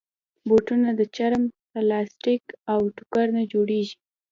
بوټونه د چرم، پلاسټیک، او ټوکر نه جوړېږي.